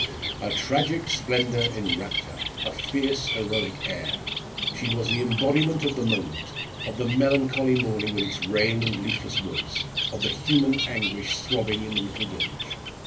"A tragic splendour enwrapped her! a fierce heroic air. She was the embodiment of the moment of the melancholy morning with its rain and leafless woods of the human anguish throbbing in the little village.